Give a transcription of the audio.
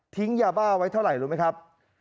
ยาบ้าไว้เท่าไหร่รู้ไหมครับ